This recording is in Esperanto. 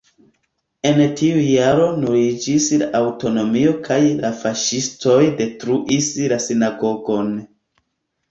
En tiu jaro nuliĝis la aŭtonomio kaj la faŝistoj detruis la sinagogon.